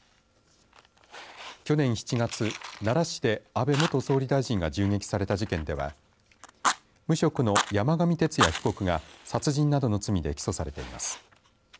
去年７月奈良市で安倍元総理大臣が銃撃された事件では無職の山上徹也被告が殺人などの罪で起訴されています。